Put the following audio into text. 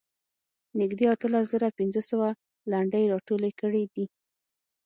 نږدې اتلس زره پنځه سوه لنډۍ راټولې کړې دي.